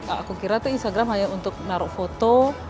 aku kira tuh instagram hanya untuk naruh foto